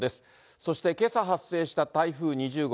そして、けさ発生した台風２０号。